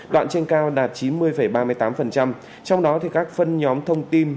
đoạn trên cao đạt chín mươi ba mươi tám trong đó các phân nhóm thông tin